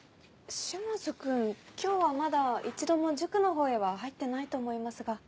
島津君今日はまだ一度も塾のほうへは入ってないと思いますが。